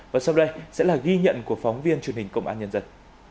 và sau đây sẽ là ghi nhận của phóng viên truyền hình công an nhân dân